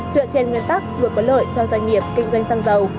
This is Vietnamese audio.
dựa trên nguyên tắc vừa có lợi cho doanh nghiệp kinh doanh xăng dầu